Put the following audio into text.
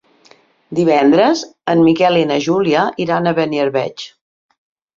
Divendres en Miquel i na Júlia iran a Beniarbeig.